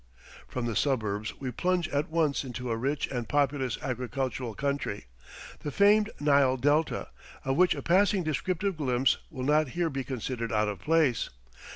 From the suburbs we plunge at once into a rich and populous agricultural country, the famed Nile Delta, of which a passing descriptive glimpse will not here be considered out of place.